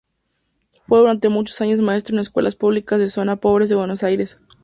Fue durante muchos años maestro en escuelas públicas de zonas pobres de Buenos Aires.